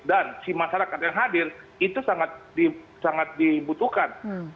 dan si masyarakat yang hadir itu sangat dibutuhkan